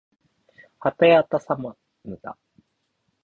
はたやたさまぬた